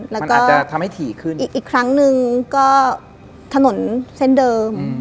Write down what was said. และก็อีกครั้งนึงก็ถนนเส้นเดิม